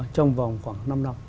trong vòng khoảng năm năm